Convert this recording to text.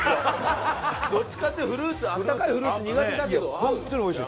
どっちかっていうと温かいフルーツ苦手だけど合う？